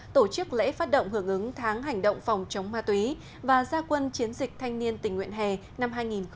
tổ chức lễ phát động hưởng ứng tháng hành động phòng chống ma túy và gia quân chiến dịch thanh niên tình nguyện hè năm hai nghìn một mươi chín